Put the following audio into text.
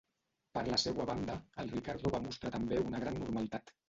Per la seua banda, el Riccardo va mostrar també una gran normalitat.